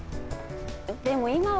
でも今は。